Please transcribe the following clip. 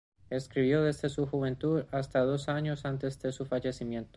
Escribió desde su juventud hasta dos años antes de su fallecimiento.